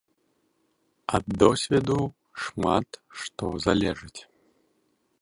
Ад досведу шмат што залежыць.